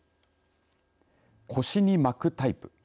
腰に巻くタイプ。